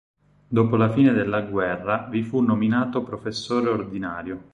Dopo la fine della guerra vi fu nominato professore ordinario.